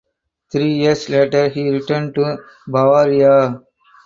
Three years later he returned to Bavaria.